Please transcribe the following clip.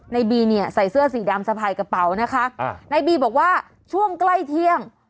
ในบีเนี่ยใส่เสื้อสีดำสะพายกระเป๋านะคะในบีบอกว่าช่วงใกล้เที่ยง